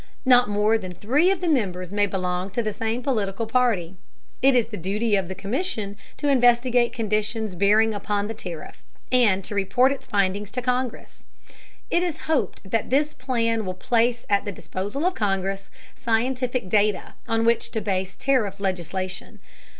Not more than three of the members may belong to the same political party. It is the duty of the Commission to investigate conditions bearing upon the tariff and to report its findings to Congress. It is hoped that this plan will place at the disposal of Congress scientific data on which to base tariff legislation.